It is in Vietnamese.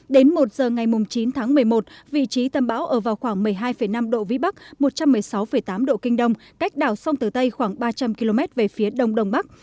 đến một giờ ngày chín tháng một mươi một vị trí tâm bão ở vào khoảng một mươi hai năm độ vĩ bắc một trăm một mươi sáu tám độ kinh đông cách đảo sông tử tây khoảng ba trăm linh km về phía đông đông bắc